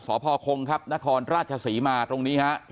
สภคงครับนครราชสีมาตรงนี้ครับ